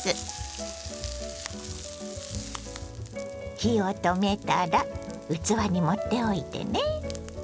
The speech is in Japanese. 火を止めたら器に盛っておいてね。